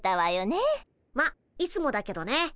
まあいつもだけどね。